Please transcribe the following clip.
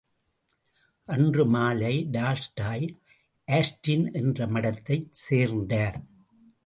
அன்று மாலை டால்ஸ்டாய் ஆஷ்டின் என்ற மடத்தைச் சேர்ந்தார்.